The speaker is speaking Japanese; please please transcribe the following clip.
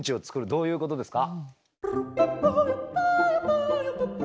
どういうことですか？